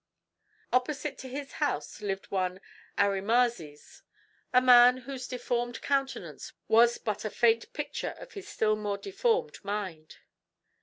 Opposite to his house lived one Arimazes, a man whose deformed countenance was but a faint picture of his still more deformed mind.